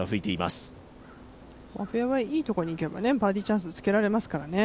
フェアウエーのいいところにいけばバーディーチャンスにつけますからね。